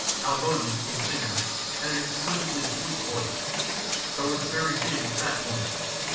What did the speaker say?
Alboni, the singer, had an exquisitely sweet voice, but was a very big fat woman.